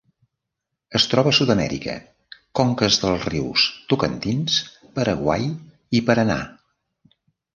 Es troba a Sud-amèrica: conques dels rius Tocantins, Paraguai i Paranà.